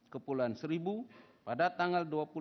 kepulauan seribu pada tanggal